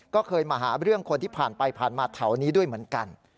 ก็เคยมาหาเรื่องคนที่ผ่านไปผ่านมาแถวนี้ด้วยเหมือนกัน